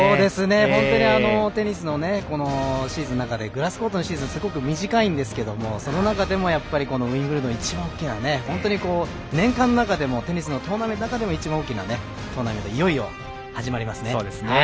本当にテニスのシーズンの中でグラスコートのシーズンすごく短いんですけれどもその中でもウィンブルドン一番大きな本当に年間の中でもテニスのトーナメントの中でも一番大きなトーナメントいよいよ始まりますね。